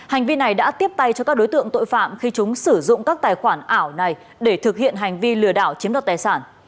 hành vi này đã tiếp tay cho các đối tượng tội phạm khi chúng sử dụng các tài khoản ảo này để thực hiện hành vi lừa đảo chiếm đoạt tài sản